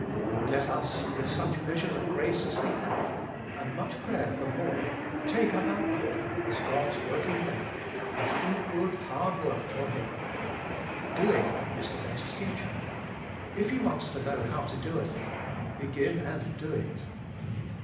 Let us, with such meas ure of grace as we have, and much prayer for more, take up our calling as God's work ing men, and do good hard work for Him. Doing is the best teacher. If you want to know how to do a thing, begin and do it.